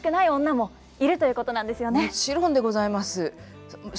もちろんでございます。